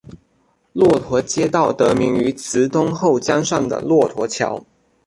骆驼街道得名于慈东后江上的骆驼桥。